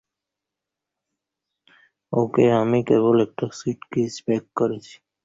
সশস্ত্র প্রহরী ছাড়া রাস্তায় বের হওয়াই আমার জীবনের জন্য ঝুঁকি হয়ে পড়েছে।